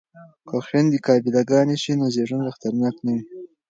که خویندې قابله ګانې شي نو زیږون به خطرناک نه وي.